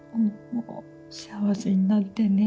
幸せになってね。